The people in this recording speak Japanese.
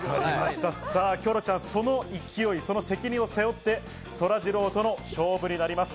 キョロちゃん、その勢い、責任を背負って、そらジローとの勝負になります。